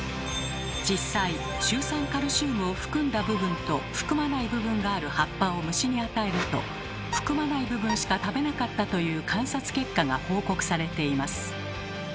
実際シュウ酸カルシウムを含んだ部分と含まない部分がある葉っぱを虫に与えると含まない部分しか食べなかったという観察結果が報告されています。